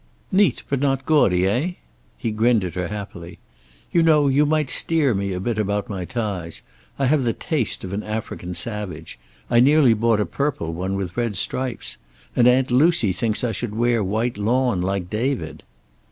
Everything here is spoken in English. "Neat but not gaudy, eh?" He grinned at her, happily. "You know, you might steer me a bit about my ties. I have the taste of an African savage. I nearly bought a purple one, with red stripes. And Aunt Lucy thinks I should wear white lawn, like David!"